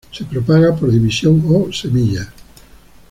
Se propaga por división o semillas.